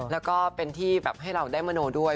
แล้วก็เป็นที่แบบให้เราได้มโนด้วย